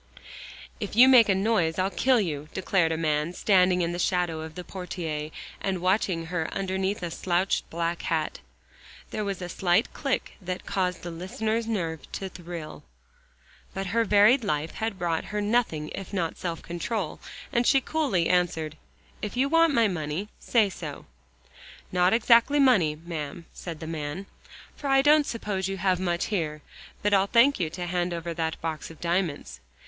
"If you make a noise I'll kill you," declared a man, standing in the shadow of a portiere and watching her underneath a slouched black hat. There was a slight click that caused the listener's nerves to thrill. But her varied life had brought her nothing if not self control, and she coolly answered, "If you want my money, say so." "Not exactly money, ma'am," said the man, "for I don't suppose you have much here. But I'll thank you to hand over that there box of diamonds."